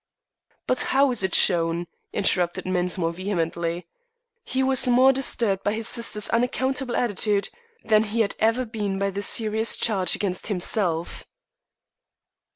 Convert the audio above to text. "But how is it shown?" interrupted Mensmore vehemently. He was more disturbed by his sister's unaccountable attitude than he had ever been by the serious charge against himself.